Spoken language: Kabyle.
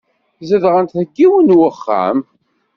Zedɣent deg yiwen n uxxam.